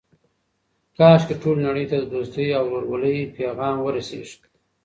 کاشکې ټولې نړۍ ته د دوستۍ او ورورولۍ پیغام ورسیږي.